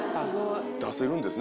出せるんですね